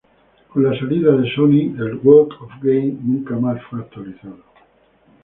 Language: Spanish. Con la salida de Sony, el "Walk of Game" nunca más fue actualizado.